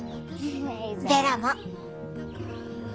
ベラも。